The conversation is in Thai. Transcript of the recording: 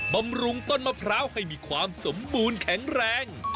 บำรุงต้นมะพร้าวให้มีความสมบูรณ์แข็งแรง